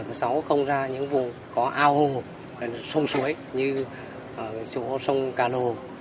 các cháu không ra những vùng có ao hồ sông suối như sông cà nồ